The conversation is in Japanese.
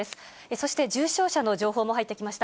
そして、重症者の情報も入ってきました。